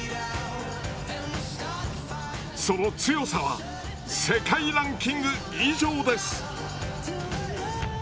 その強さは世界ランキング以上です。